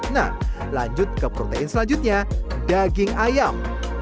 nah lanjut ke protein selanjutnya daging ayam